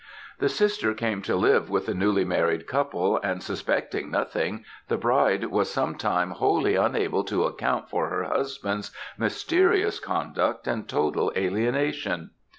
"The sister came to live with the newly married couple; and suspecting nothing, the bride was some time wholly unable to account for her husband's mysterious conduct and total alienation.